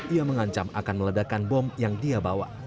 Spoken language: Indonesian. ia mengancam akan meledakan bom yang dia bawa